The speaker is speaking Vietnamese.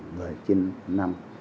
người trên năm